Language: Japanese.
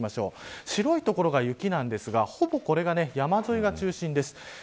白い所が雪なんですがほぼこれが山沿いが中心です。